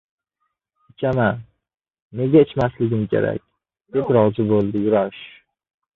– Ichaman, nega ichmasligim kerak, – deb rozi boʻldi Yurash.